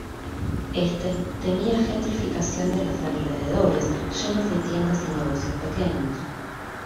Éste temía Gentrificación de los alrededores, llenos de tiendas y negocios pequeños.